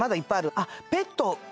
あっペット。